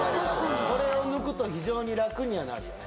これを抜くと非常に楽にはなるよね